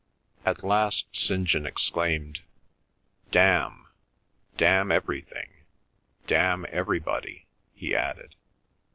At last St. John exclaimed, "Damn! Damn everything! Damn everybody!" he added.